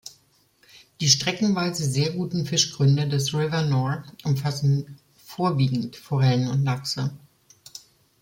Die streckenweise sehr guten Fischgründe des River Nore umfassen vorwiegend Forellen und Lachse.